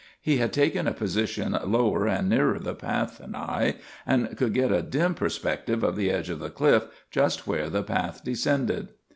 He had taken a position lower and nearer the path than I and could get a dim perspective of the edge of the cliff just where the path descended.